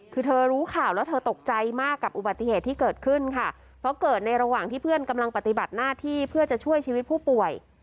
คือเธอรู้ข่าวแล้วเธอตกใจมากกับอุบัติเหตุที่เกิดขึ้นค่ะเพราะเกิดในระหว่างที่เพื่อนกำลังปฏิบัติหน้าที่เพื่อจะช่วยชีวิตผู้ป่วย